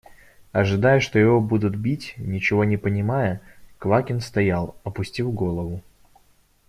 Ожидая, что его будут бить, ничего не понимая, Квакин стоял, опустив голову.